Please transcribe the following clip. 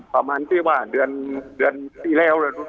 ประมาณที่ว่าเดือนที่แล้ว